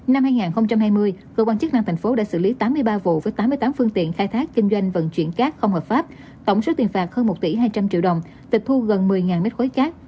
năm hai nghìn hai mươi cơ quan chức năng thành phố đã xử lý tám mươi ba vụ với tám mươi tám phương tiện khai thác kinh doanh vận chuyển cát không hợp pháp tổng số tiền phạt hơn một tỷ hai trăm linh triệu đồng tịch thu gần một mươi m ba